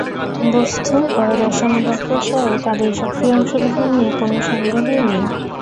বস্ত্র ও রেশম ব্যবসায়ে তাদের সক্রিয় অংশগ্রহণ নিয়ে কোনো সন্দেহই নেই।